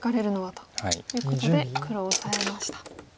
ということで黒はオサえました。